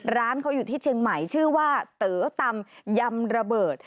ร้านเขาอยู่ที่เชียงใหม่ชื่อว่าเต๋อตำยำระเบิด